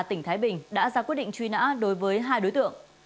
tỉnh thái bình đã ra quyết định truy nã đối với hai đối tượng